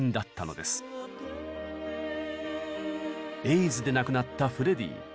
エイズで亡くなったフレディ。